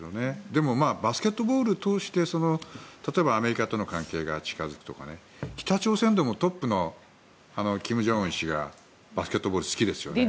でもバスケットボールを通して例えばアメリカとの関係が近付くとか北朝鮮でもトップの金正恩氏がバスケットボール好きですよね。